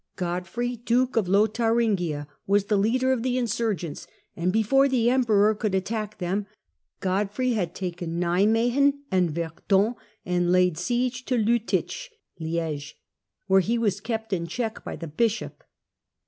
Godfrey, duke of Lotharingia, was the leader of the insurgents, and before the emperor could attack them, Godfrey had taken Nimeguen and Verdun, and laid siege to Ltittich (Lidge), where he was kept in check by the bishop.